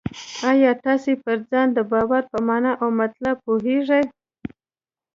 آیا تاسې پر ځان د باور په مانا او مطلب پوهېږئ؟